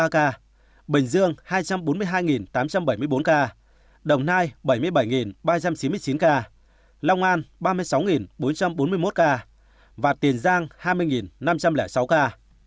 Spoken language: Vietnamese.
bốn trăm bốn mươi sáu bốn trăm bốn mươi ba ca bình dương hai trăm bốn mươi hai tám trăm bảy mươi bốn ca đồng nai bảy mươi bảy ba trăm chín mươi chín ca long an ba mươi sáu bốn trăm bốn mươi một ca và tiền giang hai mươi năm trăm linh sáu ca